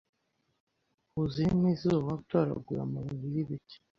Huzuyemo izuba, gutoragura amababi yibiti